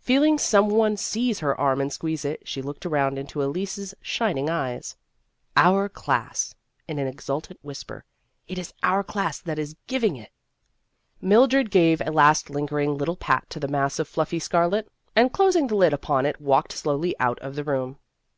Feeling some one seize her arm and squeeze it, she looked around into Elise's shining eyes. " Our class," in an exultant whis per " it is our class that is giving it !" 156 Vassar Studies Mildred gave a last lingering little pat to the mass of fluffy scarlet, and closing the lid upon it walked slowly out of the room.